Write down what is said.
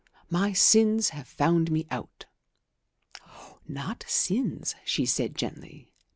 My sins have found me out." "Not sins," she said gently.